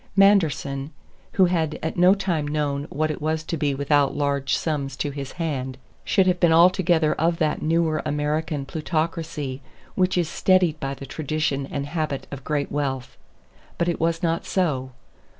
Manderson, who had at no time known what it was to be without large sums to his hand, should have been altogether of that newer American plutocracy which is steadied by the tradition and habit of great wealth. But it was not so.